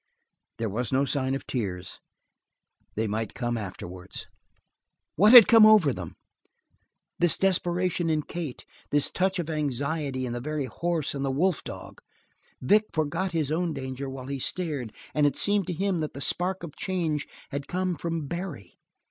There was no sign of tears; they might come afterwards. What had come over them? This desperation in Kate, this touch of anxiety in the very horse and the wolf dog? Vic forgot his own danger while he stared and it seemed to him that the spark of change had come from Barry.